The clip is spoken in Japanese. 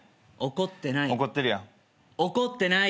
怒ってない！